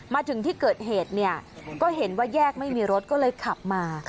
มาถึงที่เกิดเหตุเนี่ยก็เห็นว่าแยกไม่มีรถก็เลยขับมา